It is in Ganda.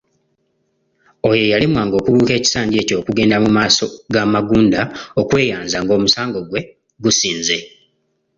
Oyo eyalemwanga okubuuka ekisanja ekyo okugenda mu maaso ga Magunda okweyanza nga omusango gwe gusinze.